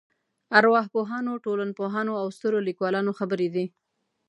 ارواپوهانو ټولنپوهانو او سترو لیکوالانو خبرې دي.